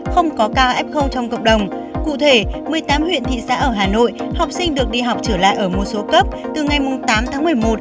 không có ca f trong cộng đồng cụ thể một mươi tám huyện thị xã ở hà nội học sinh được đi học trở lại ở một số cấp từ ngày tám tháng một mươi một